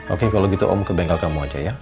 oke kalau gitu om ke bengkel kamu aja ya